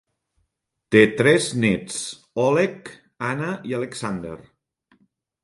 Té tres néts: Oleg, Anna i Alexander.